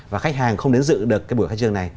và khách hàng không đến dự được cái buổi khai trương này